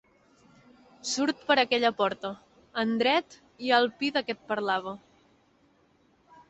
Surt per aquella porta: en dret hi ha el pi de què et parlava.